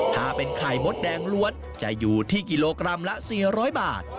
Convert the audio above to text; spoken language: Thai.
ถ้าเป็นไข่มดแดงล้วนจะอยู่ที่กิโลกรัมละ๔๐๐บาท